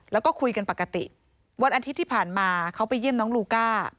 แล้วก็คุยกันปกติวันอาทิตย์ที่ผ่านมาเขาไปเยี่ยมน้องลูก้า